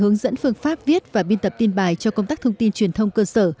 hướng dẫn phương pháp viết và biên tập tin bài cho công tác thông tin truyền thông cơ sở